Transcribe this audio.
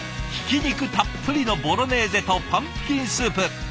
ひき肉たっぷりのボロネーゼとパンプキンスープ。